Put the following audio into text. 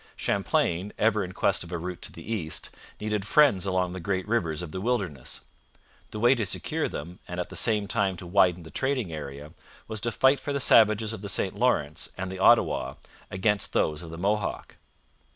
Champlain, ever in quest of a route to the East, needed friends along the great rivers of the wilderness. The way to secure them, and at the same time to widen the trading area, was to fight for the savages of the St Lawrence and the Ottawa against those of the Mohawk.